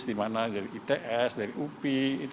di mana dari its dari upi itu